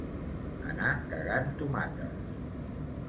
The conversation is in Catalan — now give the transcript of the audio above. Anar cagant tomates.